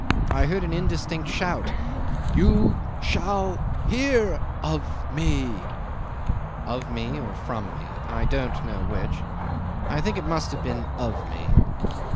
I heard an indistinct shout, "You shall hear of me." Of me, or from me, I don't know which. I think it must have been of me.